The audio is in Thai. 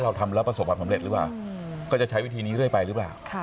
ทำแล้วประสบความสำเร็จหรือเปล่าก็จะใช้วิธีนี้เรื่อยไปหรือเปล่า